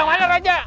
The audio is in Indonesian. yang mana raja